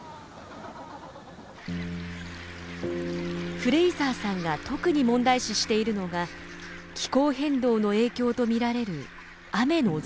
フレイザーさんが特に問題視しているのが気候変動の影響と見られる雨の増加です。